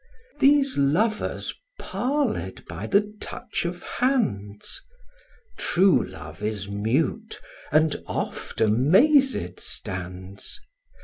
These lovers parled by the touch of hands: True love is mute, and oft amazed stands.